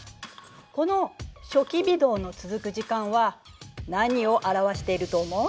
この初期微動の続く時間は何を表していると思う？